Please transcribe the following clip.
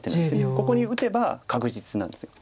ここに打てば確実なんです。